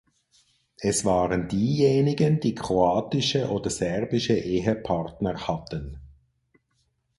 Es waren diejenigen, die kroatische oder serbische Ehepartner hatten.